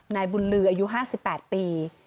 นายบุญลืออายุ๕๘ปี